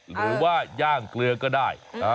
หรือว่าย่างเกลือก็ได้